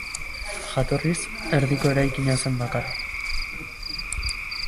Jatorriz, erdiko eraikina zen bakarra.